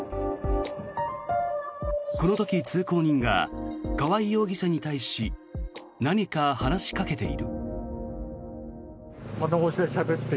この時、通行人が川合容疑者に対し何か話しかけている。